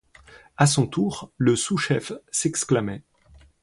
A son tour, le sous-chef s'exclamait.